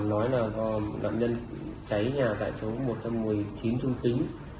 nói là có nạn nhân cháy nhà tại số một trăm một mươi chín trung kính